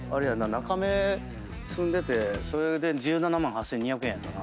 中目住んでてそれで１７万８，２００円やったな。